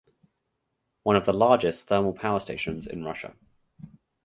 One of the largest thermal power stations in Russia.